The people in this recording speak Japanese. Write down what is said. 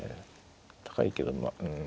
高いけどまあうん。